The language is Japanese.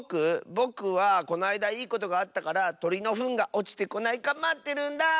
ぼくはこないだいいことがあったからとりのふんがおちてこないかまってるんだ！